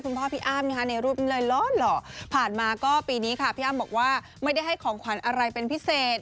คุณพ่อพี่อ้ำในรูปอีกก็เลยล้อ